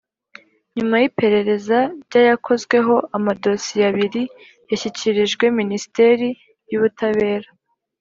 nyuma y’iperereza ryayakozweho, amadosiye abiri yashyikirijwe minisiteri y’ubutabera